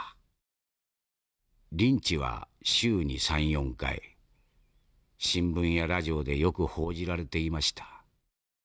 リンチは週に３４回新聞やラジオでよく報じられていました。